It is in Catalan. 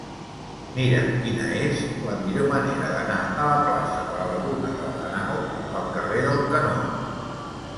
Mira'm quina és la millor manera d'anar de la plaça de la Laguna de Lanao al carrer del Canó.